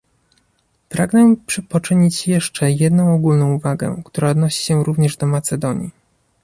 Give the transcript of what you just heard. Pragnę poczynić jeszcze jedną ogólną uwagę, która odnosi się również do Macedonii